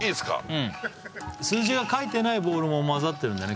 うん数字が書いてないボールもまざってるんでね